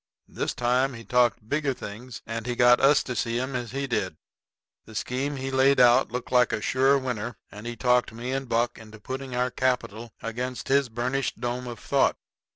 This time he talked bigger things, and he got us to see 'em as he did. The scheme he laid out looked like a sure winner, and he talked me and Buck into putting our capital against his burnished dome of thought.